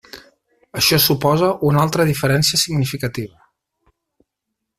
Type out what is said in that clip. Això suposa una altra diferència significativa.